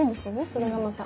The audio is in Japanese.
それがまた。